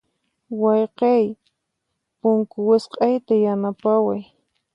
Wayqiy, punku wisq'ayta yanapaway.